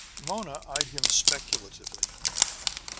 Mona eyed him speculatively.